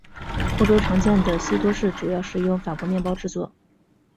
欧洲常见的西多士主要使用法国面包制作。